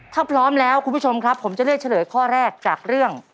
ถ้าพร้อมแล้วคุณผู้ชมครับผมจะเลือกเฉลยข้อแรกจากเรื่อง